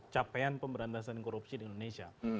capaian pemberantasan korupsi di indonesia